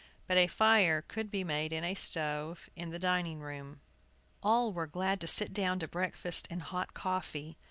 But a fire could be made in a stove in the dining room. All were glad to sit down to breakfast and hot coffee.